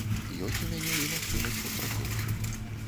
Ёсць у мяне і магчымасць падпрацоўкі.